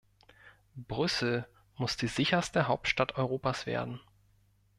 Brüssel muss die sicherste Hauptstadt Europas werden.